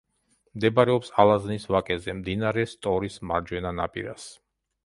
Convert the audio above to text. მდებარეობს ალაზნის ვაკეზე, მდინარე სტორის მარჯვენა ნაპირას.